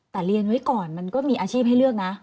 แต่เรียนไว้ก่อนมันก็มีอาชีพให้เลือกนะ